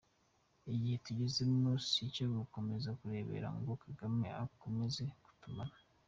Igihe tugezemo si icyo gukomeza kurebera ngo kagame akomeze kutumara.